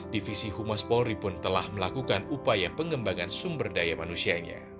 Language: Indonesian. divisi humas polri pun telah melakukan upaya pengembangan sumber daya manusianya